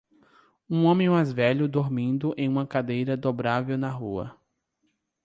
Um homem mais velho dormindo em uma cadeira dobrável na rua.